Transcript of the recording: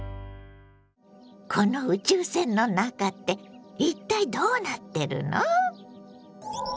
この宇宙船の中って一体どうなってるの？